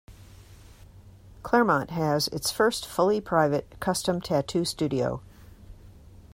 Claremont has its first fully private custom tattoo studio.